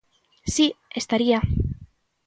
Si, estaría.